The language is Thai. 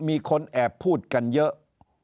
มีคนแอบพูดกันเยอะ